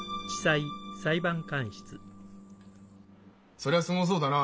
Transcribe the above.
そりゃすごそうだな。